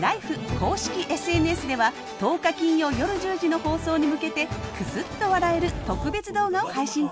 公式ＳＮＳでは１０日金曜夜１０時の放送に向けてくすっと笑える特別動画を配信中。